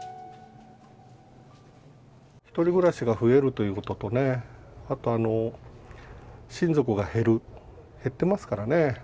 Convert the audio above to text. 一人暮らしが増えるということとね、あと親族が減る、減ってますからね。